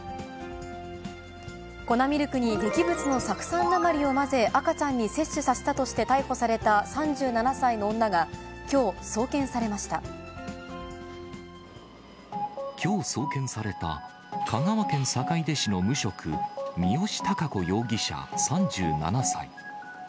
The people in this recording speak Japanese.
粉ミルクに劇物の酢酸鉛を混ぜ、赤ちゃんに摂取させたとして逮捕された３７歳の女が、きょう、きょう、送検された香川県坂出市の無職、三好貴子容疑者３７歳。